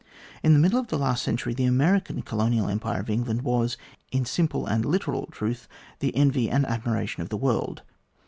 In the middle of the last century the American Colonial Empire of England was, in simple and literal truth, the envy and admiration of the world.